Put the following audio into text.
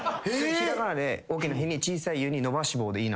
「平仮名で大きな『ひ』に小さい『ゆ』に伸ばし棒でいいな」